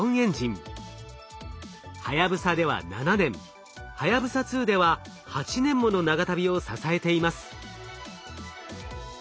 はやぶさでは７年はやぶさ２では８年もの長旅を支えています。